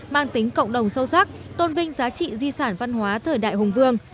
mang tính cộng đồng sâu sắc tôn vinh giá trị di sản văn hóa thời đại hùng vương